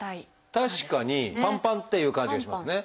確かにパンパンっていう感じがしますね。